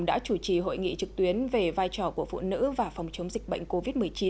đã chủ trì hội nghị trực tuyến về vai trò của phụ nữ và phòng chống dịch bệnh covid một mươi chín